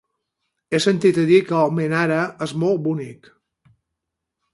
He sentit a dir que Almenara és molt bonic.